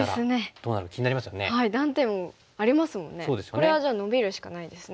これはじゃあノビるしかないですね。